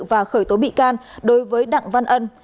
và khởi tố bị can đối với đặng văn ân